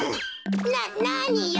ななによ！